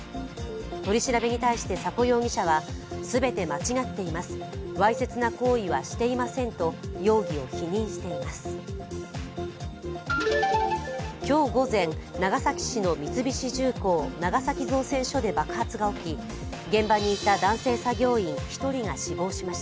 取り調べに対して迫容疑者は、全て間違っていますわいせつな行為はしていませんと容疑を否認しています。